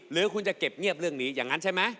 หรือคุณจะเก็บเงียบเรื่องนี้อย่างนั้นใช่ไหม